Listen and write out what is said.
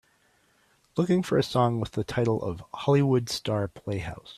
Looking for a song with the title of Hollywood Star Playhouse